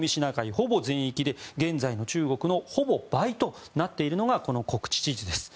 ほぼ全域で現在の中国のほぼ倍となっているのがこの国恥地図です。